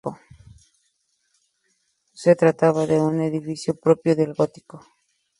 Se trataba de un edificio propio del gótico.